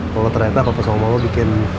kalau ternyata papa sama mama bikin